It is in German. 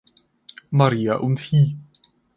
Maria und Hl.